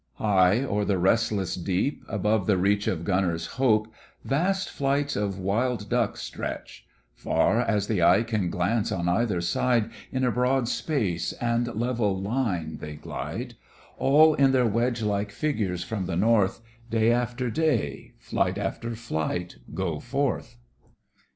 High o'er the restless deep, above the reach Of gunner's hope, vast flights of Wild ducks stretch; Far as the eye can glance on either side, In a broad space and level line they glide; All in their wedge like figures from the north, Day after day, flight after flight, go forth.